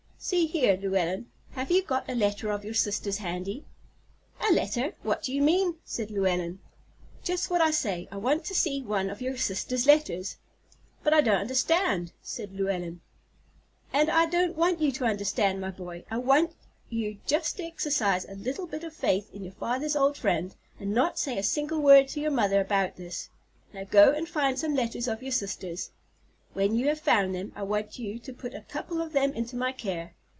See here, Llewellyn, have you got a letter of your sister's handy?" "A letter! What do you mean?" said Llewellyn, "Just what I say. I want to see one of your sister's letters." "But I don't understand," said Llewellyn. "And I don't want you to understand, my boy. I want you just to exercise a little bit of faith in your father's old friend, and not to say a single word to your mother about this. Now, go and find some letters of your sister's. When you have found them, I want you to put a couple of them into my care.